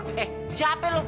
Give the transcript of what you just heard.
kendi learning law